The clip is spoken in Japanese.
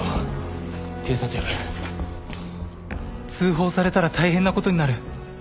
通報されたら大変な事になる。